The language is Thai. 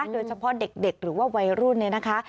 โดยเฉพาะเด็กหรือว่าวัยรุ่นเนี่ยนะคะ